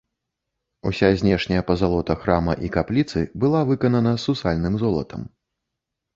Уся знешняя пазалота храма і капліцы была выканана сусальным золатам.